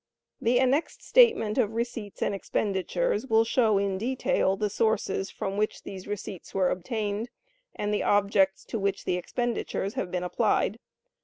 The annexed statement of receipts and expenditures will show in detail the sources from which the receipts were obtained, and the objects to which the expenditures have been applied.